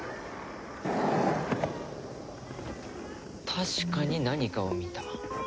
確かに何かを見た。